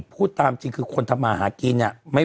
พูดตามจริงคือคนทำมาหากิน